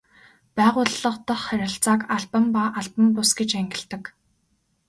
Байгууллага дахь харилцааг албан ба албан бус гэж ангилдаг.